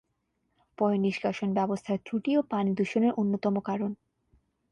পয়ঃনিষ্কাষণ ব্যবস্থার ত্রুটিও পানি দূষণের অন্যতম কারণ।